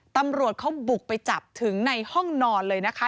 ตำรวจเขาบุกไปจับถึงในห้องนอนเลยนะคะ